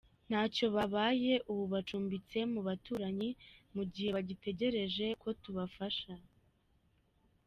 Ntacyo babaye, ubu bacumbitse mu baturanyi mu gihe bagitegereje ko tubafasha.